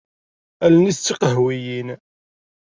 Allen-is d tiqehwiyin.